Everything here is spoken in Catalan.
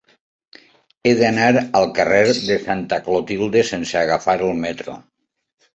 He d'anar al carrer de Santa Clotilde sense agafar el metro.